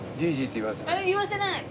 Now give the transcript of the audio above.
言わせない？